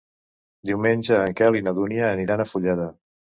Diumenge en Quel i na Dúnia aniran a Fulleda.